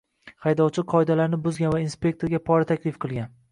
Haydovchi qoidalarni buzgan va inspektorga pora taklif qilgan